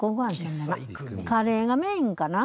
カレーがメインかな？